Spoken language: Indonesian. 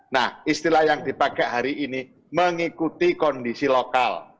nah istilah yang dipakai hari ini mengikuti kondisi lokal